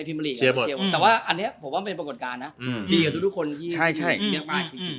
ดีกว่ากับทุกคนที่เรียกมา